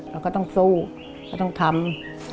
เราก็ต้องสู้เราต้องทำ